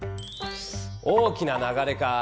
「大きな流れ」か。